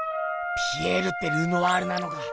ピエールってルノワールなのか。